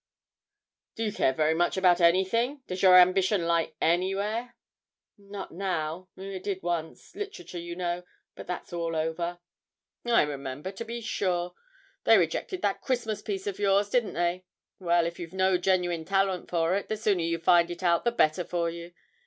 'Do you care very much about anything? Does your ambition lie anywhere?' 'Not now; it did once literature, you know; but that's all over.' 'I remember, to be sure. They rejected that Christmas piece of yours, didn't they? Well, if you've no genuine talent for it, the sooner you find it out the better for you.